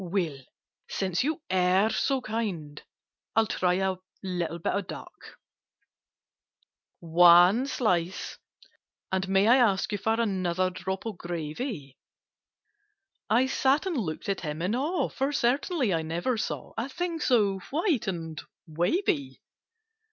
"Well, since you are so kind, I'll try A little bit of duck. "One slice! And may I ask you for Another drop of gravy?" I sat and looked at him in awe, For certainly I never saw A thing so white and wavy.